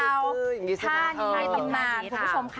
ท่านี้ในตำนานคุณผู้ชมค่ะ